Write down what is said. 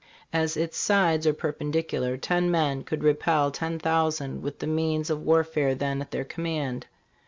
As its sides are per pendicular, ten men could repel ten thousand with the means of warfare then at their command.